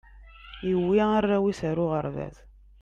iwwi arraw is ar uɣerbaz